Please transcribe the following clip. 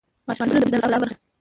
غاښونه د بدن د ښکلا برخه ده.